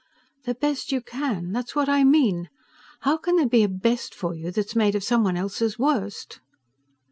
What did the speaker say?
"The best you can that's what I mean! How can there be a 'best' for you that's made of some one else's worst?"